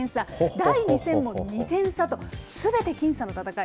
第２戦も２点差と、すべて僅差の戦い。